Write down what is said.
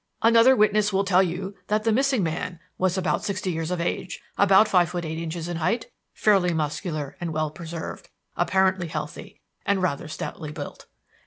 Another witness will tell you that the missing man was about sixty years of age, about five feet eight inches in height, fairly muscular and well preserved, apparently healthy, and rather stoutly built.